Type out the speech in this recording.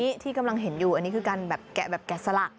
อันนี้ที่กำลังเห็นอยู่อันนี้คือการแบบแกะแบบแกะสลัก